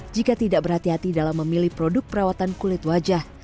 jika tidak berhati hati dalam memilih produk perawatan kulit wajah